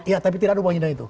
iya tapi tidak ada upaya dari itu